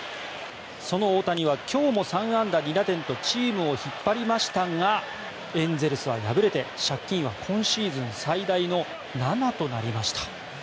その大谷は今日も３安打２打点とチームを引っ張りましたがエンゼルスは敗れて借金は今シーズン最大の７となりました。